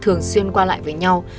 thường xuyên qua lại với nhau